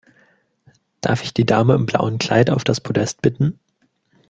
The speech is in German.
Darf ich die Dame im blauen Kleid auf das Podest bitten?